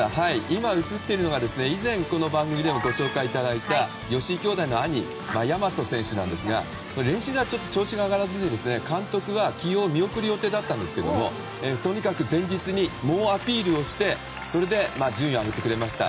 今、映っているのが以前この番組でもご紹介いただいた吉居兄弟の兄大和選手なんですが練習では調子が上がらずに監督は起用を見送る予定だったんですがとにかく前日に猛アピールをしてそれで順位を上げてくれました。